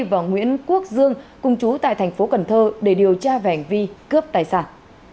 và nguyễn quốc dương cung chú tại tp cần thơ để điều tra vẻnh vi cướp tài sản